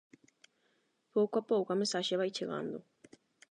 Pouco a pouco a mensaxe vai chegando.